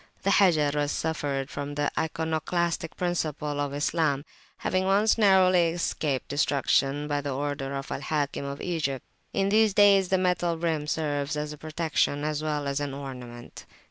The Hajar has suffered from the iconoclastic principle of Islam, having once narrowly escaped destruction by order of Al Hakim of Egypt. In these days the metal rim serves as a protection as well as an ornament.